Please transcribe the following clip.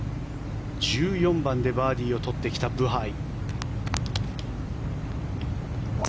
１４番でバーディーを取ってきたブハイ。